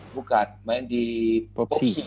bukan main di popsi